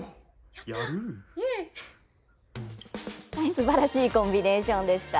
すばらしいコンビネーションでした。